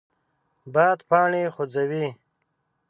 باد پاڼې خوځوي